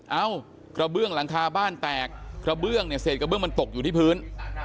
เอ้ากระเบื้องหลังคาบ้านแตกเสร็จกระเบื้องมันตกอยู่ที่พื้น